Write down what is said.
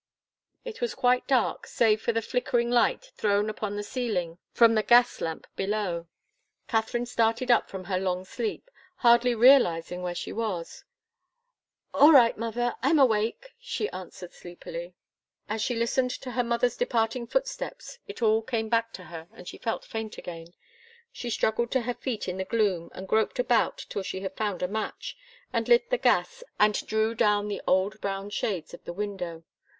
It was quite dark, save for the flickering light thrown upon the ceiling from the gas lamp below. Katharine started up from her long sleep, hardly realizing where she was. "All right, mother I'm awake!" she answered sleepily. As she listened to her mother's departing footsteps, it all came back to her, and she felt faint again. She struggled to her feet in the gloom and groped about till she had found a match, and lit the gas and drew down the old brown shades of the window.